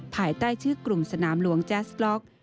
ภายใต้ชื่อกลุ่มสนามหลวงแจ๊สบล็อก